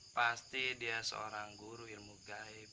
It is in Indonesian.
pasti dia seorang guru ilmu gaib